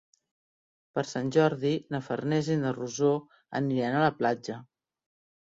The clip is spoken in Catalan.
Per Sant Jordi na Farners i na Rosó aniran a la platja.